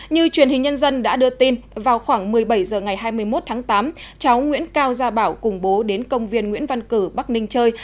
như truyền hình nhân dân đã đưa tin vào khoảng một mươi bảy h ngày hai mươi một tháng tám cháu nguyễn cao gia bảo cùng bố đến công viên nguyễn văn cử bắc ninh chơi